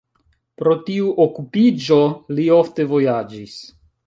Pro tiu okupiĝo li ofte vojaĝis.